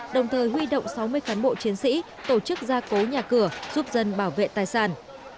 đồng thời huy động sáu mươi cán bộ chiến sĩ tổ chức gia cố nhà cửa giúp dân bảo vệ tài sản